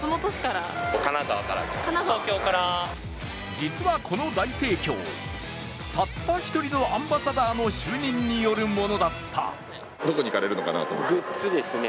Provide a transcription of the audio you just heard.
実はこの大盛況、たった１人のアンバサダーの就任によるものだった。